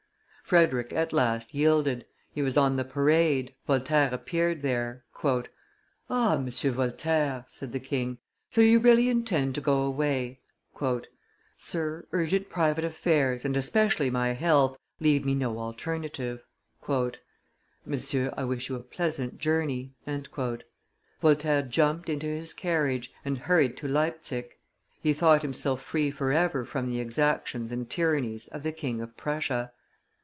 Frederick at last yielded; he was on the parade, Voltaire appeared there. "Ah! Monsieur Voltaire," said the king, "so you really intend to go away?" "Sir, urgent private affairs, and especially my health, leave me no alternative." "Monsieur, I wish you a pleasant journey." Voltaire jumped into his carriage, and hurried to Leipsic; he thought himself free forever from the exactions and tyrannies of the King of Prussia.